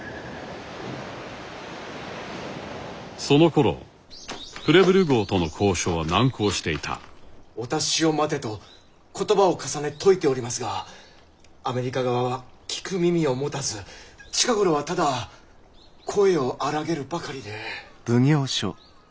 その頃プレブル号との交渉は難航していたお達しを待てと言葉を重ね説いておりますがアメリカ側は聞く耳を持たず近頃はただ声を荒げるばかりで。